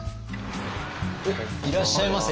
おっいらっしゃいませ。